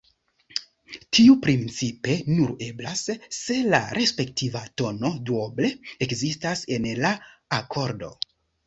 Tio principe nur eblas, se la respektiva tono duoble ekzistas en la akordo.